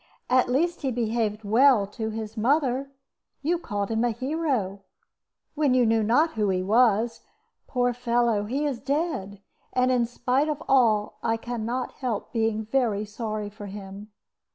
At least he behaved well to his mother. You called him a hero when you knew not who he was. Poor fellow, he is dead! And, in spite of all, I can not help being very sorry for him."